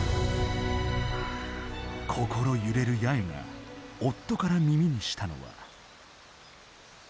心揺れる八重が夫から耳にしたのは。